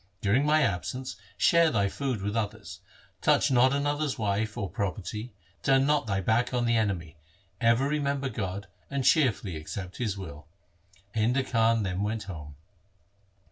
During my absence share thy food with others, touch not another's wife or pro perty, turn not thy back on the enemy, ever remember God, and cheerfully accept His will.' Painda Khan then went home.